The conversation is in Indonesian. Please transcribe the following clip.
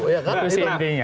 itu sih intinya